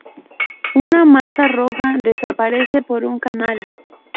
Una masa roja desaparece por un canal.